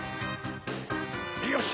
よし！